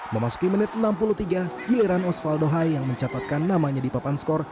memasuki menit enam puluh tiga giliran osvaldo hai yang mencatatkan namanya di papan skor